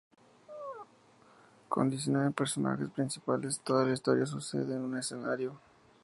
Con diecinueve personajes principales, toda la historia sucede en un escenario.